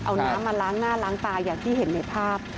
เอาน้ำมาล้างหน้าล้างตาอย่างที่เห็นในภาพ